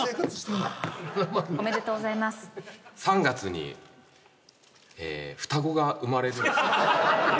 ３月に双子が生まれるんです。